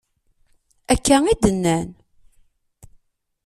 Akka i d-nnan.